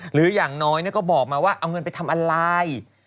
อย่างน้อยก็บอกมาว่าเอาเงินไปทำอะไร